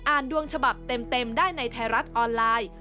ดวงฉบับเต็มได้ในไทยรัฐออนไลน์